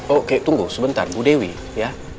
oke tunggu sebentar bu dewi ya